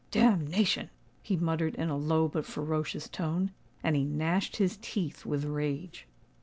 "Damnation!" he muttered in a low but ferocious tone; and he gnashed his teeth with rage.